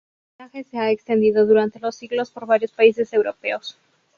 El linaje se ha extendido durante los siglos por varios países europeos.